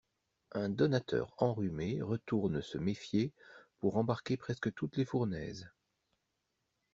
Un donateur enrhumé retourne se méfier pour embarquer presque toutes les fournaises.